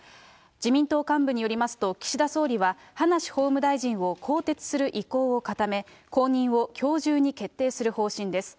自民党幹部によりますと、岸田総理は葉梨法務大臣を更迭する意向を固め、後任をきょう中に決定する方針です。